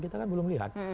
kita kan belum melihat